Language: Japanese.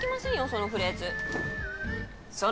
そのフレーズ